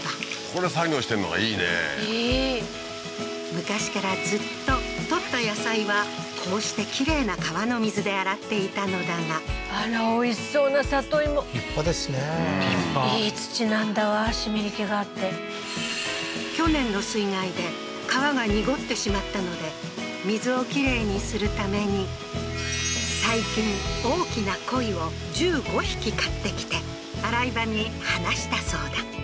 ここで作業してるのがいいねいい昔からずっと採った野菜はこうしてきれいな川の水で洗っていたのだがあらおいしそうな里芋立派ですね立派いい土なんだわ湿り気があって去年の水害で川が濁ってしまったので水をきれいにするために最近大きな鯉を１５匹買ってきて洗い場に放したそうだ